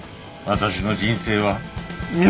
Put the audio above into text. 私の人生は醜い！